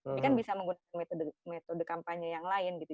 tapi kan bisa menggunakan metode kampanye yang lain gitu